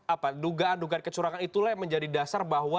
apa dugaan dugaan kecurangan itulah yang menjadi dasar bahwa